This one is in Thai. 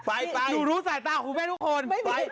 ไปดูดูสายตาของแม่ทุกคน